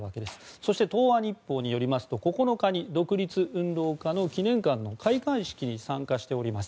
そして東亜日報によりますと９日に独立運動家の記念館の開館式に参加しています。